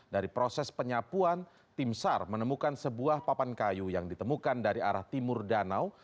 dari proses penyapuan tim sar menemukan sebuah papan kayu yang ditemukan dari arah timur danau